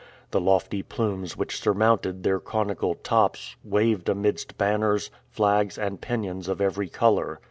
The lofty plumes which surmounted their conical tops waved amidst banners, flags, and pennons of every color.